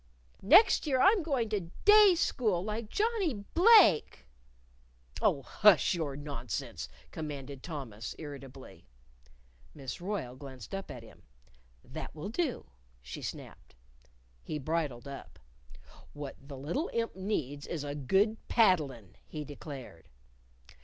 "Next year I'm going to day school like Johnnie Blake!" "Oh, hush your nonsense!" commanded Thomas, irritably. Miss Royle glanced up at him. "That will do," she snapped. He bridled up. "What the little imp needs is a good paddlin'," he declared.